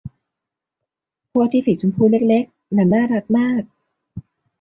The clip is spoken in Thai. พวกที่สีชมพูเล็ก ๆ นั้นน่ารักมาก